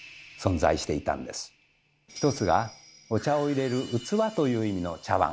一つがお茶をいれる器という意味の「茶わん」。